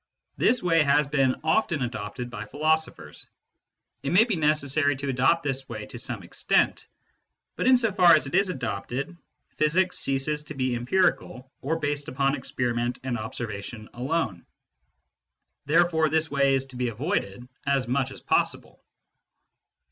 This way has been often adopted by philosophers. It may be necessary to adopt this way to some extent, but in so far as it is adopted physics ceases to be empirical or based upon experiment and observa tion alone. Therefore this way is to be avoided as much as possible.